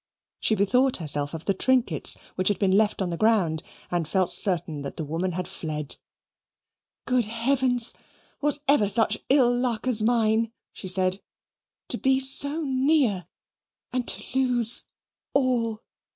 She bethought herself of the trinkets which had been left on the ground and felt certain that the woman had fled. "Good Heavens! was ever such ill luck as mine?" she said; "to be so near, and to lose all.